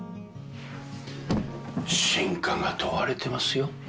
真価が問われてますよ